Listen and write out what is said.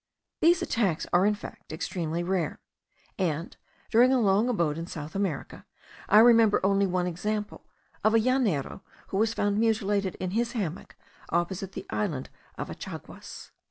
These attacks are in fact extremely rare; and, during a long abode in South America, I remember only one example, of a llanero, who was found mutilated in his hammock opposite the island of Achaguas.